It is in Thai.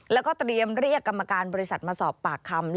แล้วก็เตรียมเรียกกรรมการบริษัทมาสอบปากคำ